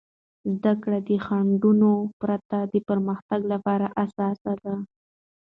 زده کړه د خنډونو پرته د پرمختګ لپاره اساس دی.